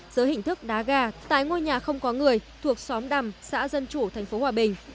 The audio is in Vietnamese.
giữa hình thức đá gà tại ngôi nhà không có người thuộc xóm đằm xã dân chủ tp hòa bình